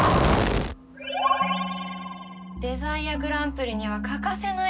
デザイアグランプリには欠かせない存在がいる。